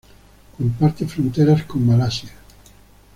Comparte fronteras con Malasia.